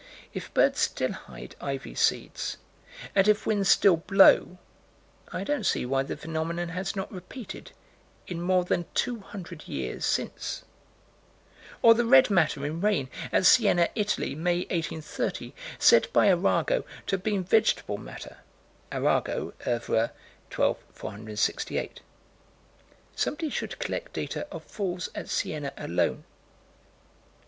If birds still hide ivy seeds, and if winds still blow, I don't see why the phenomenon has not repeated in more than two hundred years since. Or the red matter in rain, at Siena, Italy, May, 1830; said, by Arago, to have been vegetable matter (Arago, OEuvres, 12 468). Somebody should collect data of falls at Siena alone.